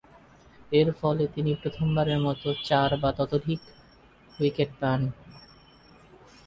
এরফলে তিনি প্রথমবারের মতো চার বা ততোধিক উইকেট পান।